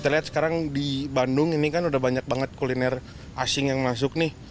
kita lihat sekarang di bandung ini kan udah banyak banget kuliner asing yang masuk nih